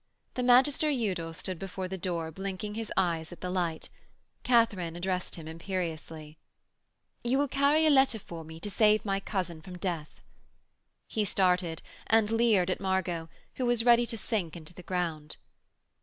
The Magister Udal stood before the door blinking his eyes at the light; Katharine addressed him imperiously 'You will carry a letter for me to save my cousin from death.' He started, and leered at Margot, who was ready to sink into the ground.